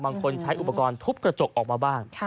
บางคนใช้อุปกรณ์ทุบกระจกออกมาบ้าง